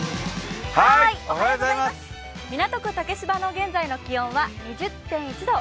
港区竹芝の現在の気温は２０．１度。